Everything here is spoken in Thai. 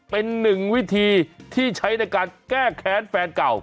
เป็นหนึ่งวิธีที่ใช้ในการแก้แค้นแฟนเก่า